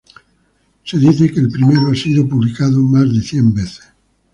Se dice que el primero ha sido publicado más de cien veces.